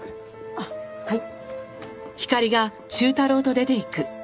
あっはい。